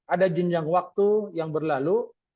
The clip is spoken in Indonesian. ada jenjang waktu yang berlalu